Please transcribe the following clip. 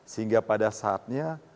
sehingga pada saatnya